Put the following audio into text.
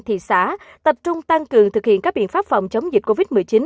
thị xã tập trung tăng cường thực hiện các biện pháp phòng chống dịch covid một mươi chín